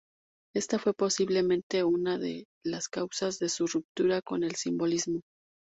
Esta fue posiblemente una de las causas de su ruptura con el simbolismo.